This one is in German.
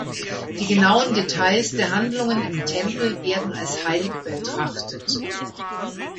Die genauen Details der Handlungen im Tempel werden als heilig betrachtet.